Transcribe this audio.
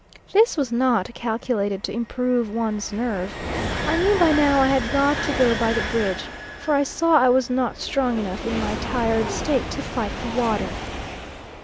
This was not calculated to improve one's nerve; I knew by now I had got to go by the bridge, for I saw I was not strong enough in my tired state to fight the water.